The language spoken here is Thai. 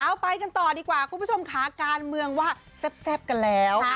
เอาไปกันต่อดีกว่าคุณผู้ชมค่ะการเมืองว่าแซ่บกันแล้ว